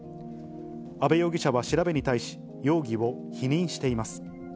阿部容疑者は調べに対し、容疑を否認しています。